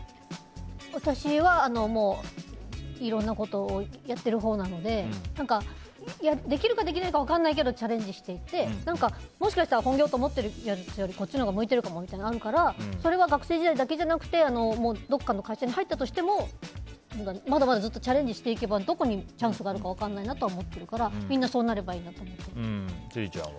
私はいろんなことをやってるほうなので何かできるかできないか分からないけどチャレンジしていってもしかしたら本業って思ってるものよりこっちのほうが向いてるかもってなるからそれは学生時代だけじゃなくてどこかの会社に入ったとしてもまだまだずっとチャレンジしていけば、どこにチャンスがあれば分からないからみんなそうなればいいなと千里ちゃんは？